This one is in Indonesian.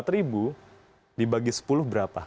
dua puluh empat ribu dibagi sepuluh berapa